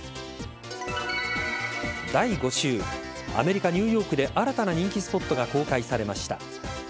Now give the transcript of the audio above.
第５週アメリカ・ニューヨークで新たな人気スポットが公開されました。